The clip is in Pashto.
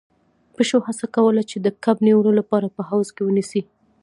پيشو هڅه کوله چې د کب نيولو لپاره په حوض کې ونيسي.